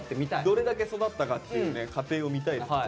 どれだけ育ったかっていうね過程を見たいですね。